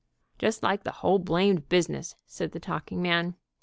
"Just like the whole blamed business," said the talking man.